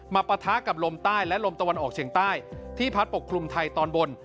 ปะทะกับลมใต้และลมตะวันออกเฉียงใต้ที่พัดปกคลุมไทยตอนบน